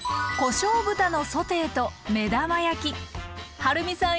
はるみさん